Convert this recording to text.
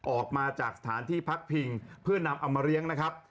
ออกมาจากสถานที่พักพิงเพื่อนำเอามาเลี้ยงนะครับ